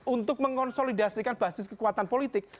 untuk mengonsolidasikan basis kekuatan politik